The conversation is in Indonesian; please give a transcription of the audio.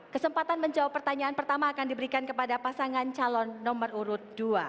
kesempatan menjawab pertanyaan pertama akan diberikan kepada pasangan calon nomor urut dua